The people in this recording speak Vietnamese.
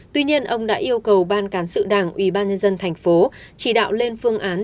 tuy nhiên ông đã yêu cầu ban cán sự đảng ubnd thành phố chỉ đạo lên phương án